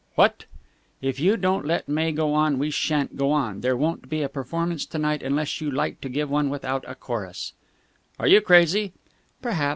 "What?" "If you don't let Mae go on, we shan't go on. There won't be a performance to night, unless you like to give one without a chorus." "Are you crazy?" "Perhaps.